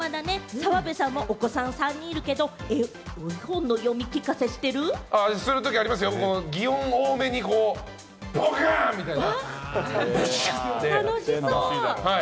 澤部さんもお子さん３人いるけれども、絵本の読み聞かせしてる？するときありますよ、擬音多めにボギャンみたいな。